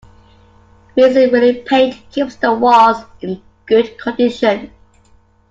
Masonry paint keeps the walls in good condition.